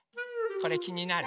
これきになる？